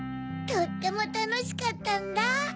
とってもたのしかったんだ！